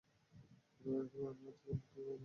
পূজা, মনে হচ্ছে আমাদের বন্ধুত্ব খুব জমবে।